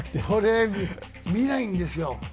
俺、見ないんですよ。